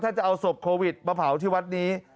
ถ้าจะเอาศพโควิดมาเผาที่วัดนี้